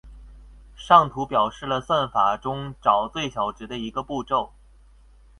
上图表示了算法中找最小值的一个步骤。